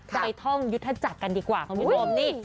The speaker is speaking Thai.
ไปท่องยุทธจักรกันดีกว่าคุณผู้ชมนี่